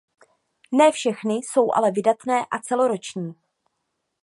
Ne všechny jsou ale vydatné a celoroční.